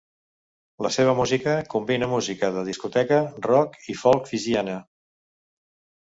La seva música combina música de discoteca, rock i folk fijiana.